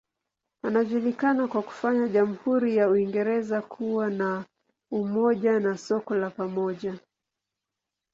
Anajulikana kwa kufanya jamhuri ya Uingereza kuwa na umoja na soko la pamoja.